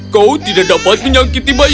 kau tidak dapat menyakiti bayi itu selama ini